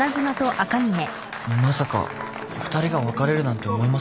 まさか２人が別れるなんて思いませんでしたね。